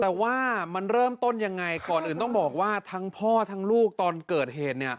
แต่ว่ามันเริ่มต้นยังไงก่อนอื่นต้องบอกว่าทั้งพ่อทั้งลูกตอนเกิดเหตุ